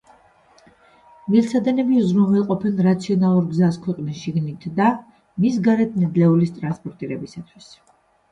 მილსადენები უზრუნველყოფენ რაციონალურ გზას ქვეყნის შიგნით და მის გარეთ ნედლეულის ტრანსპორტირებისათვის.